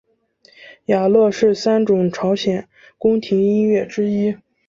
雅乐是三种朝鲜宫廷音乐之一。